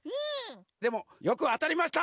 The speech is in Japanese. でもよくあたりました！